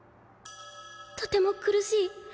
「とても苦しい。